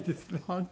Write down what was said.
本当。